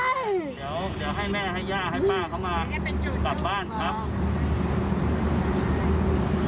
เดี๋ยวให้แม่ให้ย่าให้ป้าเขามากลับบ้านครับ